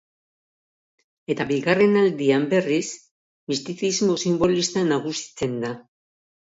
Eta bigarren aldian, berriz, mistizismo sinbolista nagusitzen da.